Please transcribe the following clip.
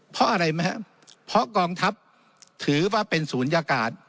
เพราะอะไรไหมครับเพราะกองทัพถือว่าเป็นศูนยากาศ